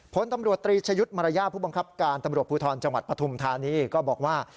ผลตำรวจตรีชยุทธ์มารยาทผู้บังคับการตำรวจภูทรจังหวัดปฐุมธานีก็บอกว่า